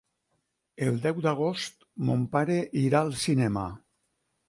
El deu d'agost mon pare irà al cinema.